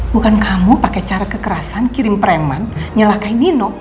bukan kamu pakai cara kekerasan kirim preman nyelakain nino